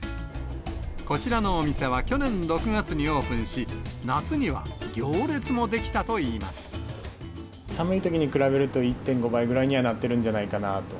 こちらのお店は去年６月にオープンし、寒いときに比べると、１．５倍ぐらいにはなってるんじゃないかなと。